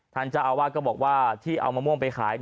ท่านเจ้าอาวาสก็บอกว่าที่เอามะม่วงไปขาย